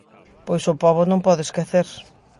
Pois o pobo non pode esquecer.